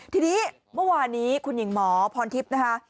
ทีนี้เมื่อวานนี้คุณหญิงหมอพรทิพย์นะคะ